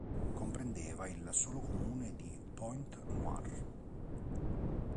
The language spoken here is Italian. Comprendeva il solo comune di Pointe-Noire.